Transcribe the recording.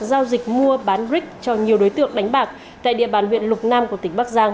giao dịch mua bán rick cho nhiều đối tượng đánh bạc tại địa bàn huyện lục nam của tỉnh bắc giang